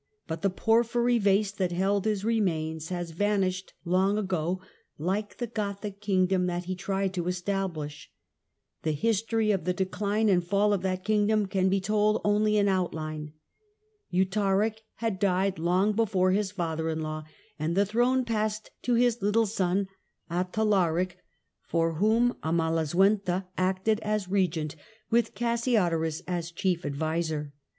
But the porphyry vase that held his re mains has vanished long ago, like the Gothic kingdom that he tried to establish. The history of the decline and fall of that kingdom can be told only in outline. Eutharic had died long before his father in law, and Reign of the throne passed to his little son Athalaric, for whom su ™ntha, Amalasuentha acted as regent, with Cassiodorus as chief 52t5 ' 34 adviser.